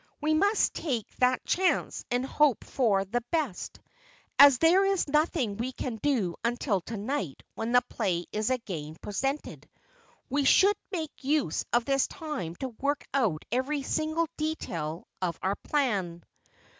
We must take that chance and hope for the best. As there is nothing we can do until tonight when the play is again presented, we should make use of this time to work out every single detail of our plan."